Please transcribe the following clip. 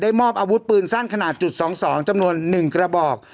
ได้มอบอาวุธปืนสั้นขนาดจุดสองสองจำนวนหนึ่งกระบอก